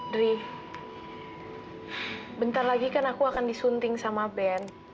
diri bentar lagi kan aku akan disunting sama ben